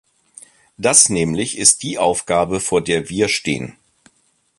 Das nämlich ist die Aufgabe, vor der wir stehen.